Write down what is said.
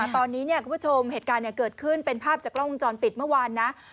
ตอนนี้คุณผู้ชมเหตุการณ์เกิดขึ้นเป็นภาพจากกล้องวงจรปิดเมื่อวานนะ